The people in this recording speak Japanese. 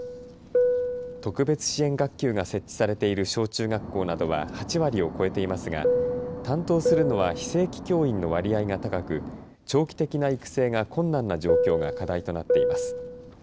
特別支援学級が設置されている小中学校などは８割を超えていますが担当するのは非正規教員の割合が高く長期的な育成が困難な状況が課題となっています。